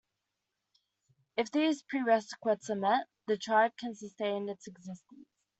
If these prerequisites are met, the tribe can sustain its existence.